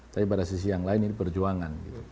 tapi pada sisi yang lain ini perjuangan